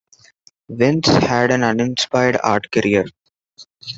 Vince had an uninspired art career.